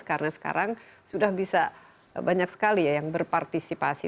karena sekarang sudah bisa banyak sekali ya yang berpartisipasi